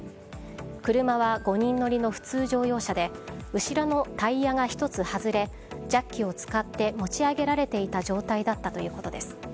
車は５人乗りの普通乗用車で後ろのタイヤが１つ外れジャッキを使って持ち上げられていた状態だったということです。